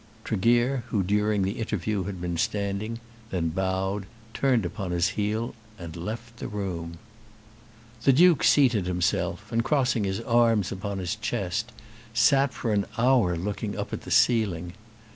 Tregear, who during the interview had been standing, then bowed, turned upon his heel, and left the room. The Duke seated himself, and, crossing his arms upon his chest, sat for an hour looking up at the ceiling.